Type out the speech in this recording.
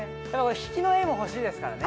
引きの画も欲しいですからね